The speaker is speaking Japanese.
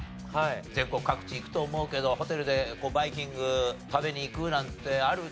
全国各地行くと思うけどホテルでバイキング食べに行くなんてある？